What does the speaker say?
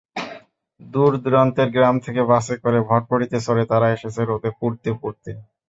দূর-দূরান্তের গ্রাম থেকে বাসে করে, ভটভটিতে চড়ে তারা এসেছে রোদে পুড়তে পুড়তে।